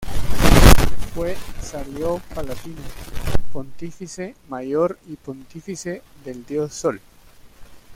Fue salio palatino, pontífice mayor y pontífice del dios Sol.